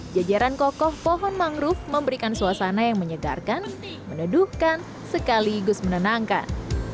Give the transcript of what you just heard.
jajaran kokoh pohon mangrove memberikan suasana yang menyegarkan meneduhkan sekaligus menenangkan